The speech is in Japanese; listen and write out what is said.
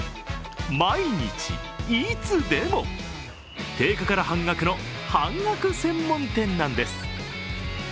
毎日、いつでも、定価から半額の半額専門店なんです。